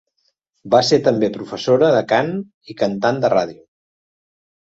Va ser també professora de cant i cantant de ràdio.